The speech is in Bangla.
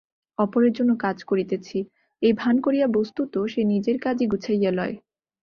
অপরের জন্য কাজ করিতেছি, এই ভান করিয়া বস্তুত সে নিজের কাজই গুছাইয়া লয়।